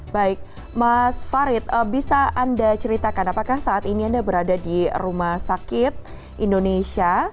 baik mas farid bisa anda ceritakan apakah saat ini anda berada di rumah sakit indonesia